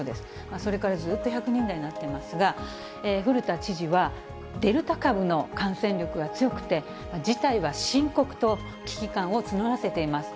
それからずっと１００人台になっていますが、古田知事は、デルタ株の感染力が強くて、事態は深刻と、危機感を募らせています。